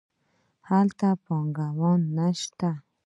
هلته پانګونه نه شته.